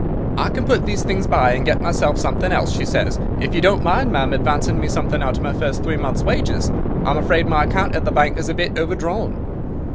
"'I can put these things by and get myself something else,' she says, 'if you don't mind, ma'am, advancing me something out of my first three months' wages. I'm afraid my account at the bank is a bit overdrawn.